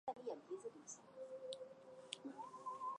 基德号驱逐舰命名的军舰。